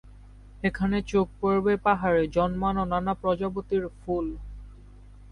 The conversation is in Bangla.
এখানে চোখ পড়বে পাহাড়ে জন্মানো নানা প্রজাতির ফুল।